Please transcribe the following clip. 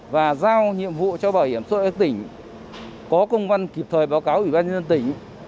và giao nhiệm vụ cho bảo hiểm xã hội các tỉnh có công văn kịp thời báo cáo ủy ban nhân dân tỉnh